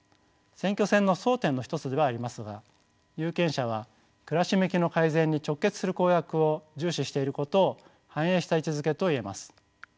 選挙戦の争点の一つではありますが有権者は暮らし向きの改善に直結する公約を重視していることを反映した位置づけと言えます。